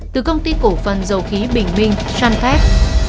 từ công ty cổ phần dầu khí bình minh shanfaelts